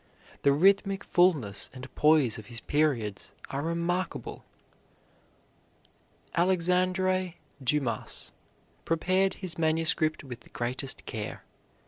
The rhythmical fulness and poise of his periods are remarkable. Alexandre Dumas prepared his manuscript with the greatest care.